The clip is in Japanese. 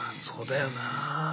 そうだよな。